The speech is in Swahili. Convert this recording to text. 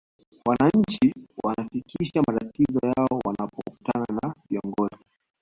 wananchi wanafikisha matatizo yao wanapokutana na viongozi